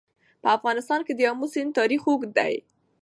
په افغانستان کې د آمو سیند تاریخ ډېر اوږد دی.